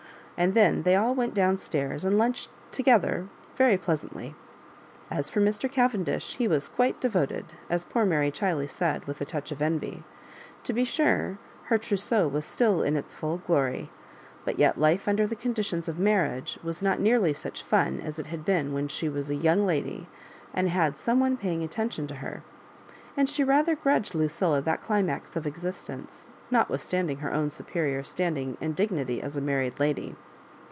And then they all went down stairs and lunched together very pleasantly. As for Mr. Cavendish, he was " quite devoted," as poor Mary Chiley said, with a touch of envy. To be sure, her • iroufseau was still in its full glory; but yet life under the conditions of marriage was not nearly such fun as it had been when she was a young lady, and had some one paying attention to her: and she rather grudged Lucilla that dimax of existence, notwithstanding her own superior standing and dignity as a married lady.